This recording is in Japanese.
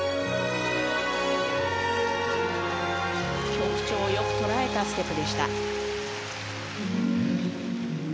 曲調を良く捉えたステップでした。